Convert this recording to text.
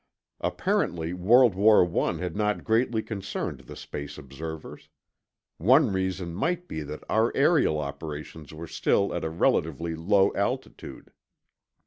Apparently World War I had not greatly concerned the space observers. One reason might be that our aerial operations were still at a relatively low altitude.